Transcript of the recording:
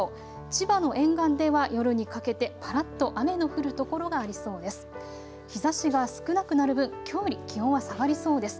千葉の沿岸では夜にかけてぱらっと雨の降る所がありそうです。